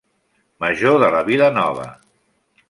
Major de la Vila Nova.